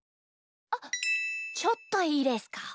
あちょっといいですか？